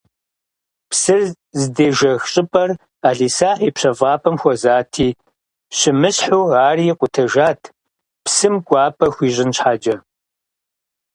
Псыр здежэх щӏыпӏэр ӏэлисахь и пщэфӏапӏэм хуэзати, щымысхьу ари икъутэжат, псым кӏуапӏэ хуищӏын щхьэкӏэ.